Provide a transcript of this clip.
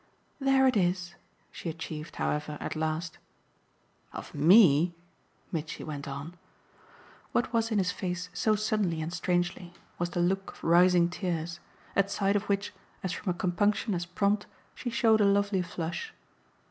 "There it is!" she achieved however at last. "Of ME?" Mitchy went on. What was in his face so suddenly and strangely was the look of rising tears at sight of which, as from a compunction as prompt, she showed a lovely flush.